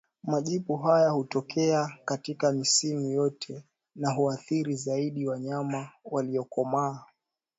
Majipu haya hutokea katika misimu yote na huathiri zaidi wanyama waliokomaa